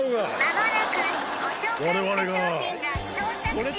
間もなくご紹介した商品が到着します